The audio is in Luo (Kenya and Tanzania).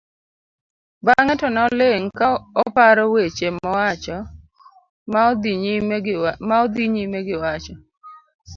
bang'e to ne oling' ka oparo weche mowacho ma odhi nyime giwacho